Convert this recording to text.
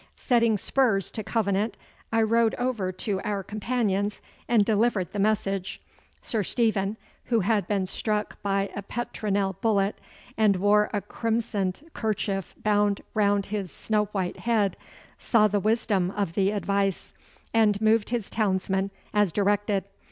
Setting spurs to Covenant I rode over to our companions and delivered the message. Sir Stephen, who had been struck by a petronel bullet, and wore a crimsoned kerchief bound round his snow white head, saw the wisdom of the advice, and moved his townsmen as directed.